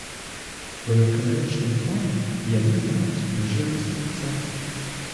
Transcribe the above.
У эканамічным плане яны маюць межы развіцця.